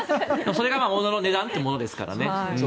それが物の値段っていうものですからね。